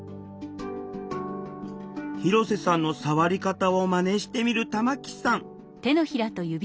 広瀬さんのさわり方をマネしてみる玉木さん。